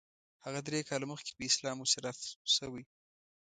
هغه درې کاله مخکې په اسلام مشرف شوی.